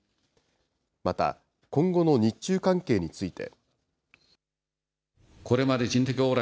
また、今後の日中関係について。